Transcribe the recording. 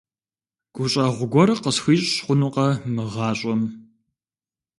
ГущӀэгъу гуэр къысхуищӀ хъунукъэ мы гъащӀэм?